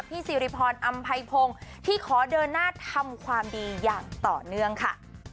สิริพรอำไพพงศ์ที่ขอเดินหน้าทำความดีอย่างต่อเนื่องค่ะ